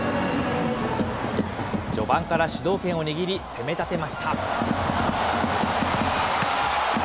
序盤から主導権を握り、攻め立てました。